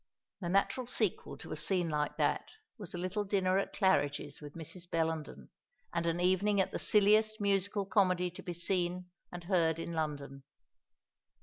The natural sequel to a scene like that was a little dinner at Claridge's with Mrs. Bellenden, and an evening at the silliest musical comedy to be seen and heard in London.